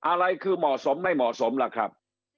อะไรคือเหมาะสมไม่เหมาะสมล่ะครับ